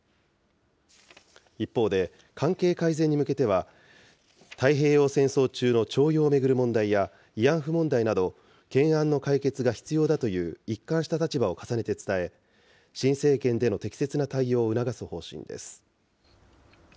一方で、関係改善に向けては、太平洋戦争中の徴用を巡る問題や、慰安婦問題など、懸案の解決が必要だという一貫した立場を重ねて伝え、新政権での適切な対応を促す方針です。